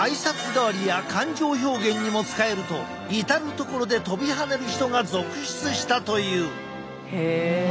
代わりや感情表現にも使えると至る所で跳びはねる人が続出したという。